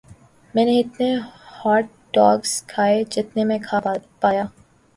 میں نے اتنے ہاٹ ڈاگز کھائیں جتنے میں کھا پایا